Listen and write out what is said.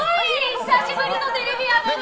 久しぶりのテレビやのに！